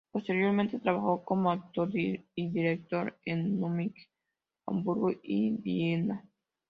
Posteriormente trabajó como actor y director en Múnich, Hamburgo y Viena.